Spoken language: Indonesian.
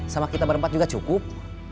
sama kita berempat juga cukup